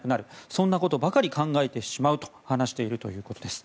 そんなことばかり考えてしまうと話しているということです。